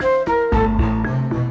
terima kasih bang